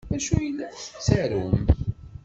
D acu ay la tettarum?